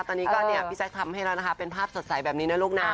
ตอนนี้พี่แจ๊คทำให้แล้วนะคะเป็นภาพสดใสแบบนี้เนี่ยลูกหน้า